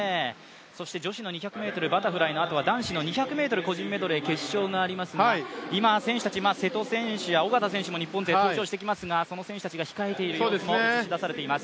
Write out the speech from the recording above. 女子の２００ｍバタフライのあとは男子の２００ｍ個人メドレー決勝がありますが今、選手たち、瀬戸選手や小方選手もその選手たちが控えている様子も映し出されています。